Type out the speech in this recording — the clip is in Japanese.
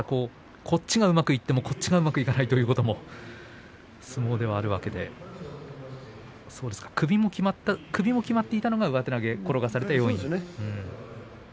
こっちがうまくいってもこちらうまくいかないということも相撲ではあるわけで首もきまっていたのが上手投げ転がされた要因なんですね。